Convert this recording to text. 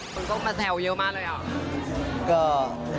คุณต้องมาแซวเยอะมากเลยหรือเปล่า